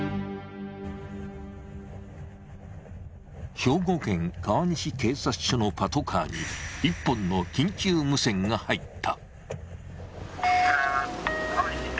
兵庫県川西警察署のパトカーに１本のが入った。